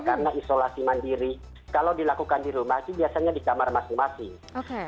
karena isolasi mandiri kalau dilakukan di rumah itu biasanya di kamar masing masing